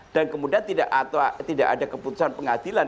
dan kemudian tidak ada keputusan pengadilan